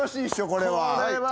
これは。